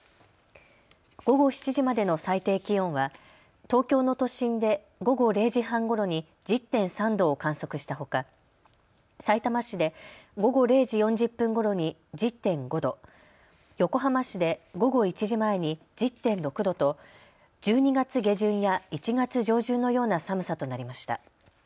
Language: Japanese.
午後７時までの最低気温は東京の都心で午後０時半ごろに１０．３度を観測したほかさいたま市で午後０時４０分ごろに１０．５度、横浜市で午後１時前に１０．６度と１２月下旬や１月上旬のような寒さとなりました。